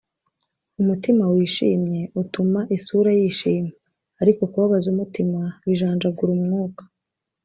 umutima wishimye utuma isura yishima, ariko kubabaza umutima bijanjagura umwuka